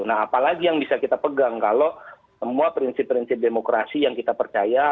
nah apalagi yang bisa kita pegang kalau semua prinsip prinsip demokrasi yang kita percaya